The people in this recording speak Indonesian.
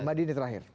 madi ini terakhir